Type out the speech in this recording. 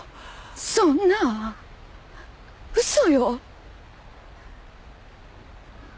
そんな嘘よ。